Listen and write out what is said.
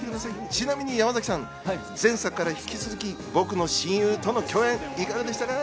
ちなみに山崎さん、前作から引き続き僕の親友との共演、いかがでしたか？